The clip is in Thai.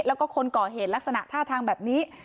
แล้วก็คนก่อเหตุลักษณะท่าทางแบบนี้